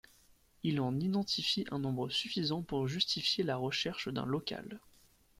Il en identifie un nombre suffisant pour justifier la recherche d’un local.